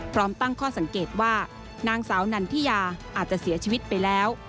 พร้อมตั้งข้อสังเกตว่านางสาวนันทิยาอาจจะเสียชีวิตไปแล้ว